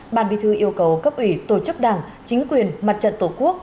bàn bì thư yêu cầu cấp ủy tổ chức đảng chính quyền mặt trận tổ quốc